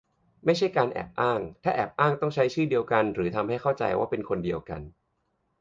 ไม่ใช่การแอบอ้าง - ถ้าแอบอ้างต้องใช้ชื่อเดียวกันหรือทำให้เข้าใจว่าเป็นคนเดียวกัน